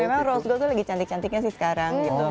memang rose gold tuh lagi cantik cantiknya sih sekarang gitu